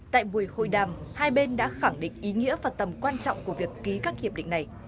tại buổi hội đàm hai bên đã khẳng định ý nghĩa và tầm quan trọng của việc ký các hiệp định này